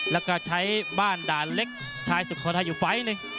แล้วก็ใช้บ้านด่าเล็กชายสุดคนให้อยู่ไฟล์นึง